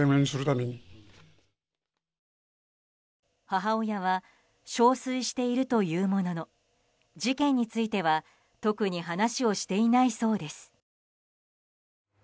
母親は憔悴しているというものの事件については特に話をしていないそうです。